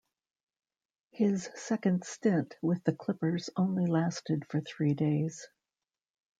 His second stint with the Clippers only lasted for three days.